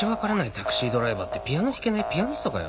タクシードライバーってピアノ弾けないピアニストかよ